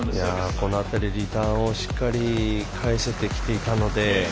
この辺り、リターンをしっかり返せてきていたので。